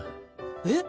えっ？